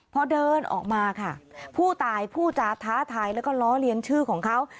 พอเดินออกมาค่ะผู้ตายผู้จาท้าทายแล้วก็ล้อเลียนชื่อของเขา